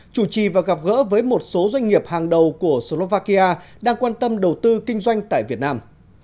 chủ trì và gặp gỡ với một số doanh nghiệp hàng đầu của slovakia đang quan tâm đầu tư kinh doanh tại việt nam